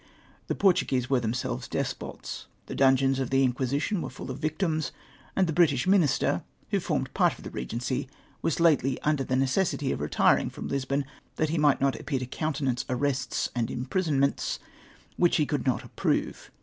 " The Portuguese were themselves despots. The dungeons of the Inquisition were full of victims, and the British minis ter, who formed part of the Regency, was lately under the necessity of retiring from Lisbon that he might not appear to countenance arrests and imprisonments which he could not approve.